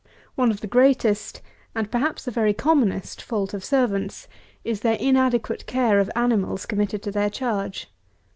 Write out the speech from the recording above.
One of the greatest, and, perhaps, the very commonest, fault of servants, is their inadequate care of animals committed to their charge.